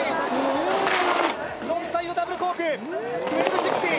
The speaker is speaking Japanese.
フロントサイドダブルコーク１２６０